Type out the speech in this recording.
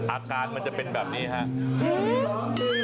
อาการมันจะเป็นแบบนี่